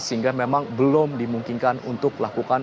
sehingga memang belum dimungkinkan untuk melakukan